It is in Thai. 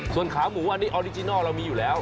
ส่วนขาหมูอันนี้ออริจินัลเรามีอยู่แล้ว